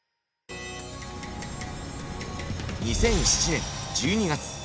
２００７年１２月。